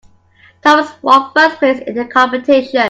Thomas one first place in the competition.